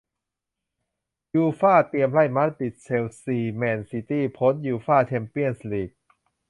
ยูฟ่า เตรียมไล่ มาดริด เชลซี แมนซิตี้ พ้น ยูฟ่า แชมเปี้ยนส์ ลีก